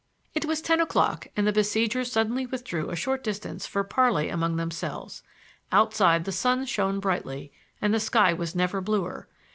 It was ten o'clock and the besiegers suddenly withdrew a short distance for parley among themselves. Outside the sun shone brightly; and the sky was never bluer.